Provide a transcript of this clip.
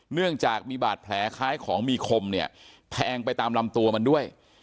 เนื่องจากมีบาดแผลคล้ายของมีคมเนี่ยแทงไปตามลำตัวมันด้วย